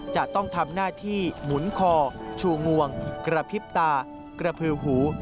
จะต้องทำหน้าที่หมุนคอชูงวงกระพริบตากระพือหู